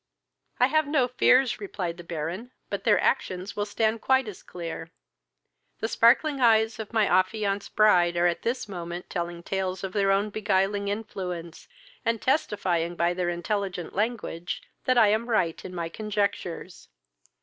"I have no fears (replied the Baron) but their actions will stand quite as clear; the sparkling eyes of my affianced bride are at this moment telling tales of their own beguiling influence, and testifying by their intelligent language that I am right in my conjectures.